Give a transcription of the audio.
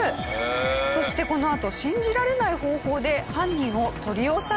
そしてこのあと信じられない方法で犯人を取り押さえる事に。